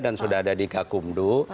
dan sudah ada di kakumdu